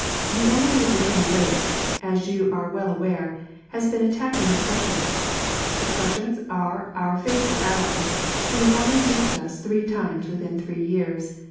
The "enemy of the human race/' as you are well aware, has been attacking the Pnissians. The Prussians are our faithful allies, who have only duped us three times within three years.